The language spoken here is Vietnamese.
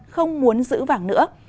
không muốn giữ vàng nữa